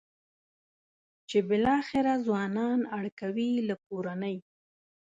چې بالاخره ځوانان اړ کوي له کورنۍ.